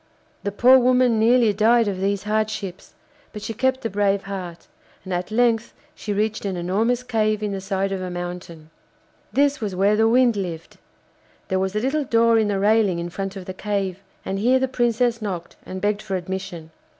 The poor woman nearly died of these hardships, but she kept a brave heart, and at length she reached an enormous cave in the side of a mountain. This was where the Wind lived. There was a little door in the railing in front of the cave, and here the Princess knocked and begged for admission.